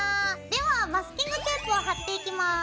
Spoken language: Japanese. ではマスキングテープを貼っていきます。